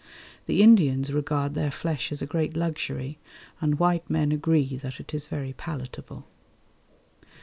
The Indians regard their flesh as a great luxury, and white men agree that it is very palatable.